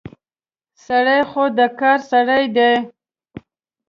سړی خو د کار سړی دی.